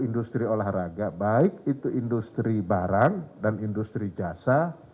industri olahraga baik itu industri barang dan industri jasa